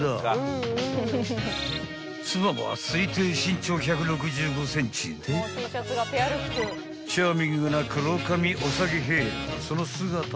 ［妻は推定身長１６５ｃｍでチャーミングな黒髪おさげヘア］